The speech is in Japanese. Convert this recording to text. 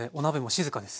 静かです。